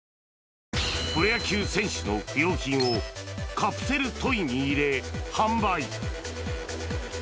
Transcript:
プロ野球選手の不要品をカプセルトイに入れ販売。